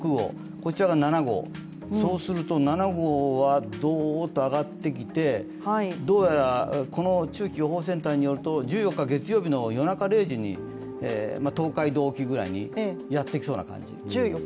こちらが７号、そうすると、７号はどーっと上がってきてどうやらこの中期予報センターによりますと１４日夜１２時くらいに東海道沖ぐらいにやってきそうな予想。